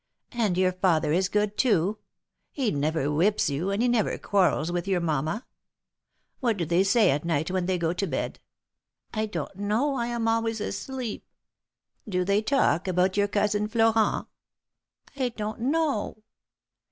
"And your father is good, too ? He never whips you, and he never quarrels with your mamma? What do they say at night, when they go to bed?" " I donT know ; I am always asleep." " Do they talk about your Cousin Florent?" "I donT know."